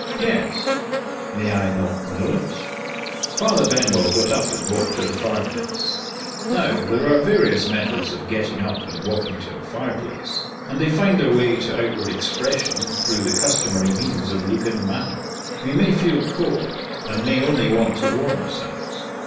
"Yes." "May I not know it?" Father Benwell got up and walked to the fireplace. Now there are various methods of getting up and walking to a fireplace, and they find their way to outward expression through the customary means of look and manner. We may feel cold, and may only want to warm ourselves.